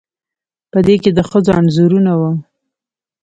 په دې کې د ښځو انځورونه وو